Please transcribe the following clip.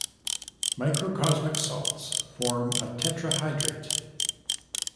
Microcosmic salts form a tetrahydrate.